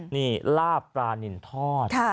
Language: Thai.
นี่ลาบปลานินทอด